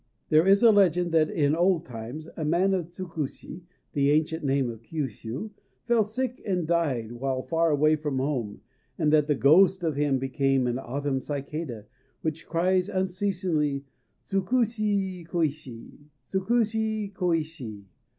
There is a legend that in old times a man of Tsukushi (the ancient name of Kyûshû) fell sick and died while far away from home, and that the ghost of him became an autumn cicada, which cries unceasingly, _Tsukushi koïshi! Tsukushi koïshi!